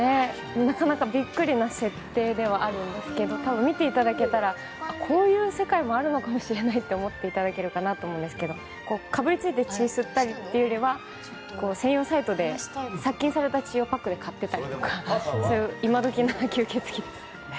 なかなかびっくりな設定ではあるんですけど多分、見ていただけたらこういう世界もあるのかもしれないと思っていただけるかなと思うんですけどかぶりついて血を吸ったりというよりは専用サイトで殺菌された血をパックで買ってたりとか今時な吸血鬼です。